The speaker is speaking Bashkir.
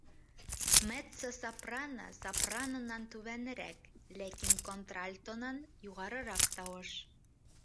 Меццо-сопрано сопранонан түбәнерәк, ләкин контральтонан юғарыраҡ тауыш